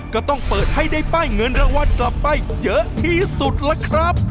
ก็ต้องเปิดให้ได้ป้ายเงินรางวัลกลับไปเยอะที่สุดล่ะครับ